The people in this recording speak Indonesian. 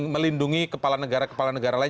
melindungi kepala negara kepala negara lain